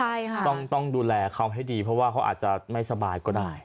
ใช่ค่ะต้องดูแลเขาให้ดีเพราะว่าเขาอาจจะไม่สบายก็ได้